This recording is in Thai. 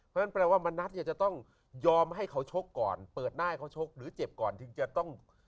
เพราะฉะนั้นแปลว่ามณัฐเนี่ยจะต้องยอมให้เขาชกก่อนเปิดหน้าให้เขาชกหรือเจ็บก่อนถึงจะต้อง